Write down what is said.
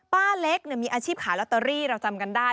ป้าเล็กมีอาชีพขายลอตเตอรี่เราจำกันได้